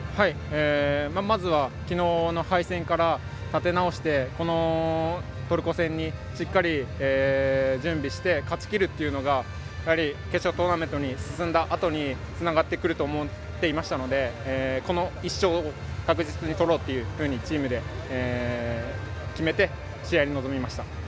まずは、きのうの敗戦から立て直してこのトルコ戦にしっかり準備して勝ち切るというのが決勝トーナメントに進んだあとにつながってくると思っていましたのでこの１勝を確実に取ろうとチームで決めて、試合に臨みました。